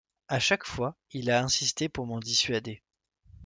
À chaque fois, il a insisté pour m'en dissuader.